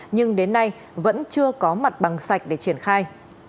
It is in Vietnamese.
nhưng đến nay vẫn chưa có mặt bằng sạch để triển khai